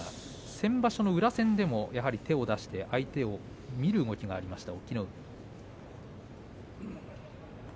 先場所の宇良戦でもやはり手を出して相手を見る動きがありました。